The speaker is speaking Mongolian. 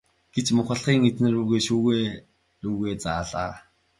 гэж мухлагийн эзэн шүүгээ рүүгээ заалаа.